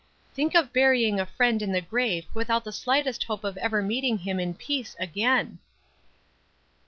Think of burying a friend in the grave without the slightest hope of ever meeting him in peace again!"